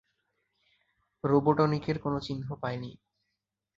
রোবটনিকের কোনো চিহ্ন পাইনি।